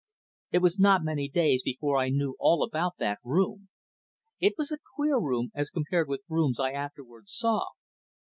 It was not many days before I knew all about that room. It was a queer room, as compared with rooms I afterwards saw.